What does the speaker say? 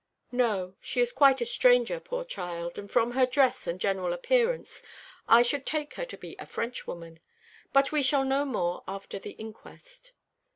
"No, she is quite a stranger, poor child, and from her dress and general appearance I should take her to be a Frenchwoman. But we shall know more after the inquest."